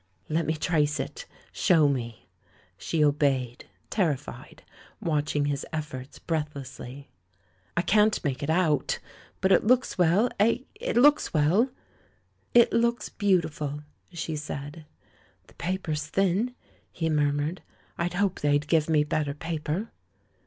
"Let me trace it! Show me I" She obeyed, terrified, watching his efforts breathlessly. "I can't make it out. But it looks well, eh — it looks well?" "It looks beautiful," she said. "The paper's thin," he murmured; "I hoped they'd give me better paper."